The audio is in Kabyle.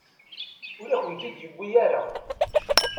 Ur akent-tent-id-yuwi ara.